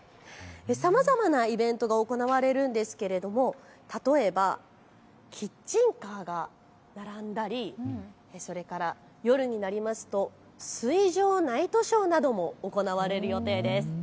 さまざまなイベントが行われるんですが例えばキッチンカーが並んだりそれから夜になりますと水上ナイトショーなども行われる予定です。